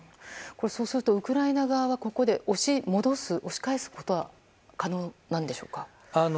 そうすると、ウクライナ側はここで押し戻す、押し返すことは可能なんでしょうか。